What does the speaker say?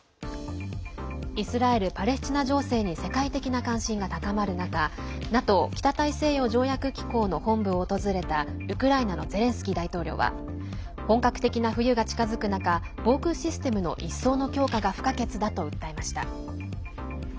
イスラエルパレスチナ情勢に世界的な関心が高まる中ＮＡＴＯ＝北大西洋条約機構の本部を訪れたウクライナのゼレンスキー大統領は本格的な冬が近づく中防空システムの一層の強化が不可欠だと訴えました。